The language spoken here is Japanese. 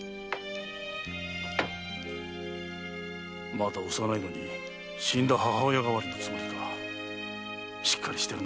まだ幼いのに死んだ母親代わりのつもりかしっかりしてるな